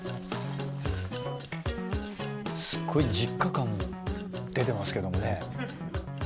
すごい実家感出てますけどね。